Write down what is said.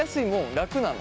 楽なの？